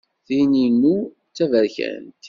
Tin-inu d taberkant!